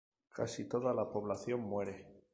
Casi toda la población muere.